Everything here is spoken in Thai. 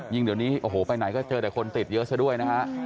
ยิ่งเดี๋ยวนี้ไปไหนก็เจอแต่คนติดเยอะซะด้วยนะคะ